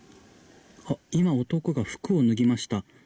今、男が服を脱ぎました。